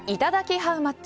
ハウマッチ。